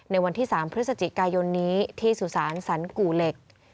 ในวันที่๓พฤศจิกายนนี้ที่สุสานสรรกู่เหล็ก